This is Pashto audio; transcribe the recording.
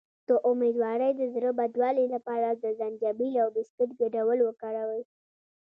د امیدوارۍ د زړه بدوالي لپاره د زنجبیل او بسکټ ګډول وکاروئ